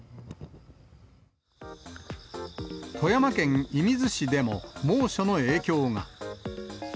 富山県射水市でも猛暑の影響が。